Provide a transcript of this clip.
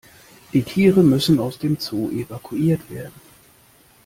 Die Tiere müssen aus dem Zoo evakuiert werden.